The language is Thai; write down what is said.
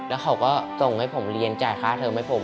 แล้วเขาก็ส่งให้ผมเรียนจ่ายค่าเทอมให้ผม